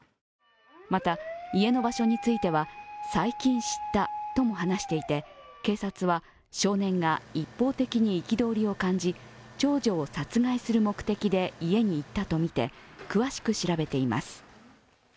また、家の場所については最近知ったとも話していて警察は少年が一方的に憤りを感じ長女を殺害する目的で家に行ったとみて詳しく調べています。